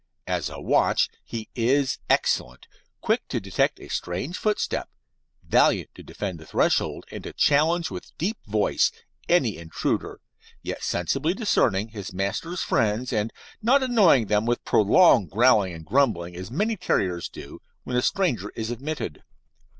As a watch he is excellent, quick to detect a strange footstep, valiant to defend the threshold, and to challenge with deep voice any intruder, yet sensibly discerning his master's friends, and not annoying them with prolonged growling and grumbling as many terriers do when a stranger is admitted.